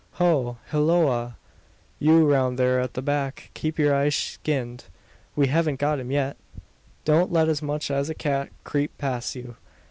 "Ho! hilloa, you round there at the back! Keep your eyes skinned. We havn't got him yet. Don't let as much as a cat creep past you.